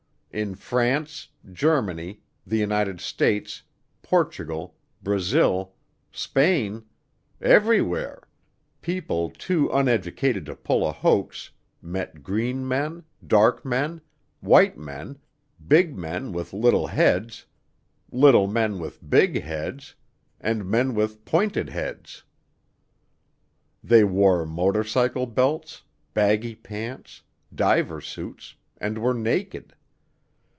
In France, Germany, the United States, Portugal, Brazil, Spain everywhere people "too uneducated to pull a hoax" met green men, dark men, white men, big men with little heads, little men with big heads and men with pointed heads. They wore motorcycle belts, baggy pants, diver suits, and were naked.